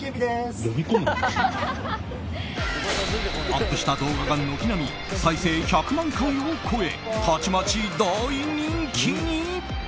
アップした動画が軒並み再生１００万回を超えたちまち大人気に。